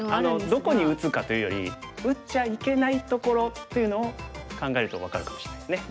どこに打つかというより打っちゃいけないところっていうのを考えると分かるかもしれないですね。